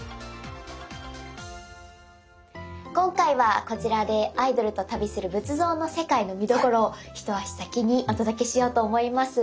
今回はこちらで「アイドルと旅する仏像の世界」の見どころを一足先にお届けしようと思います。